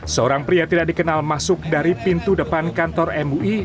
seorang pria tidak dikenal masuk dari pintu depan kantor mui